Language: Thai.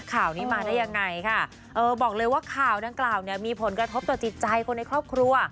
ข่าวนี้มาได้ยังไงค่ะเออบอกเลยว่าข่าวดังกล่าวเนี่ยมีผลกระทบต่อจิตใจคนในครอบครัว